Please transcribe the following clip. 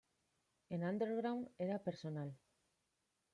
En Underground, era personal.